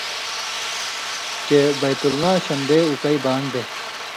چےۡ بَیت اللّٰہَ اں شن٘دے اُکٸ بان٘گ دے۔